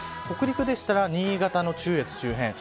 北陸でしたら新潟の中越周辺